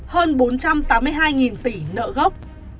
hơn bốn trăm tám mươi hai tỷ nợ gốc